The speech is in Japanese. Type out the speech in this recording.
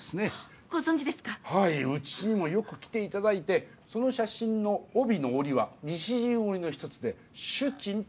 うちにもよく来ていただいてその写真の帯の織は西陣織の一つで朱珍と。